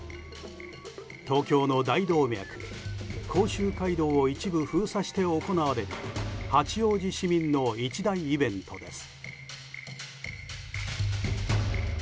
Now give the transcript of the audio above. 東京の大動脈、甲州街道を一部封鎖して行われる八王子市民の一大イベントです。